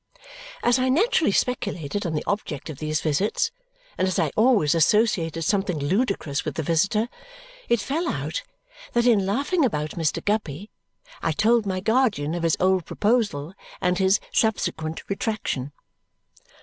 As I naturally speculated on the object of these visits, and as I always associated something ludicrous with the visitor, it fell out that in laughing about Mr. Guppy I told my guardian of his old proposal and his subsequent retraction.